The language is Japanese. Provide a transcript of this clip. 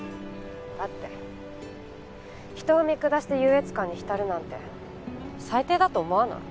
だって人を見下して優越感に浸るなんて最低だと思わない？